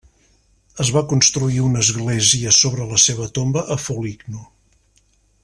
Es va construir una església sobre la seva tomba a Foligno.